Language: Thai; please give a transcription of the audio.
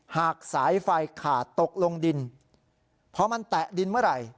หากสายไฟขาดตกลงดินพอมันแตะดินเมื่อไหร่